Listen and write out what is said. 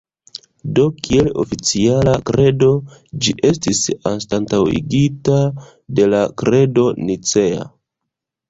Do kiel oficiala kredo, ĝi estis anstataŭigita de la Kredo Nicea.